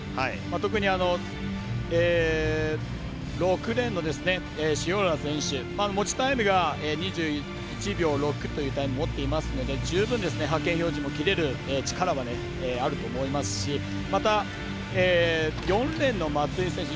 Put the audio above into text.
特に、６レーンの塩浦選手、持ちタイムが２１秒６というタイム持っていますので十分、派遣標準も切れる力はあると思いますしまた、４レーンの松井選手。